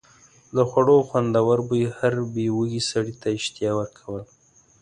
د خوړو خوندور بوی هر بې وږي سړي ته اشتها ورکوله.